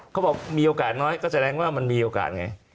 เขาบอกมีโอกาสน้อยก็แสดงว่ามันมีโอกาสไง